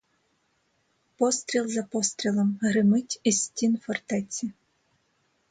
Постріл за пострілом гримить із стін фортеці.